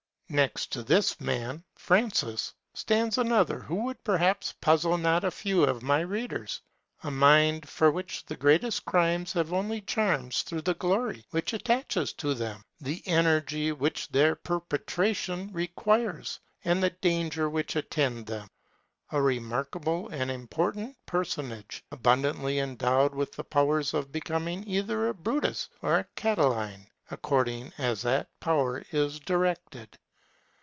Next to this man (Francis) stands another who would perhaps puzzle not a few of my readers. A mind for which the greatest crimes have only charms through the glory which attaches to them, the energy which their perpetration requires, and the dangers which attend them. A remarkable and important personage, abundantly endowed with the power of becoming either a Brutus or a Catiline, according as that power is directed.